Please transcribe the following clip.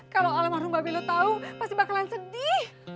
kalau alam mahrum babe lu tau pasti bakalan sedih